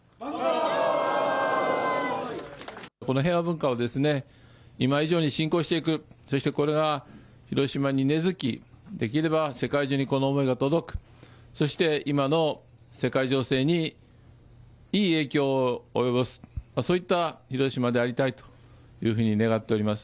この文化を今以上に振興していく、そしてこれは広島に根づき、できれば世界中にこの思いが届く、そして、今の世界情勢に、いい影響を及ぼす、そういった広島でありたいというふうに願っております。